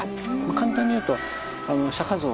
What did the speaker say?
簡単に言うと釈像。